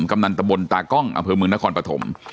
กำนันตะบนตากล้องอำเภอเมืองนครปฐม